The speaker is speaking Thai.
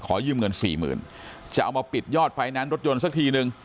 ขอยืมเงิน๔๐๐๐๐จะเอามาปิดยอดไฟนานรถยนต์สักทีนึง